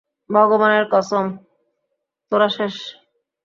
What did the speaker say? ভগবানের কসম, তোরা শেষ!